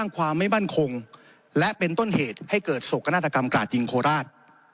ความไม่มั่นคงและเป็นต้นเหตุให้เกิดโศกนาฏกรรมกราดยิงโคราช